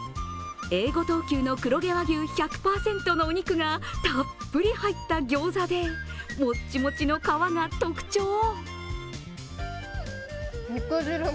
Ａ５等級の黒毛和牛１００％のお肉がたっぷり入った餃子でもっちもちの皮が特徴。